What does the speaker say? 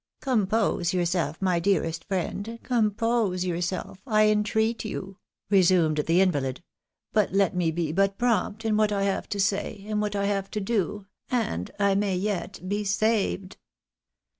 " Compose yourself, my dearest friend, compose yourself, I en treat you," resumed the invalid, " let me be but prompt in what I have to say, and what I have to do, and I may yet be saved